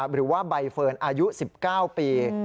หรือว่าใบเฟิร์นอายุ๑๙ปี